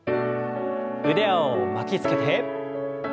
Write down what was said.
腕を巻きつけて。